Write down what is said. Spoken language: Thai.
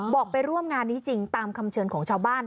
ไปร่วมงานนี้จริงตามคำเชิญของชาวบ้าน